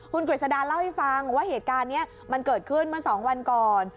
คุณกฤษดาเล่าให้ฟังว่าเหตุการณ์นี้มันเกิดขึ้นเมื่อ๒วันก่อน